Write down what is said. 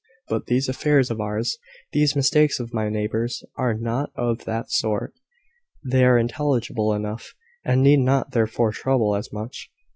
But these affairs of ours these mistakes of my neighbours are not of that sort. They are intelligible enough, and need not therefore trouble us much."